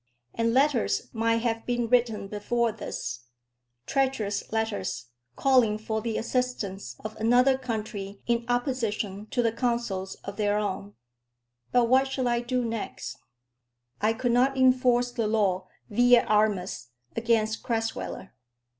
And letters might have been written before this, treacherous letters, calling for the assistance of another country in opposition to the councils of their own. But what should I do next? I could not enforce the law vi et armis against Crasweller.